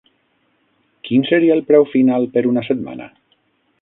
Quin seria el preu final per una setmana?